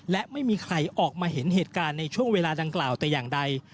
และไม่มีใครออกมาเห็นเหตุการณ์ในช่วงเวลาดังกล่าวแต่อย่างใด